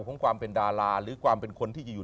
ของความเป็นดาราหรือความเป็นคนที่จะอยู่